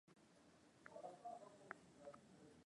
hapa kulingana na kauli yako ambayo umeitoa